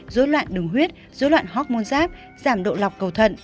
dối loạn đường huyết dối loạn hormone giáp giảm độ lọc cầu thận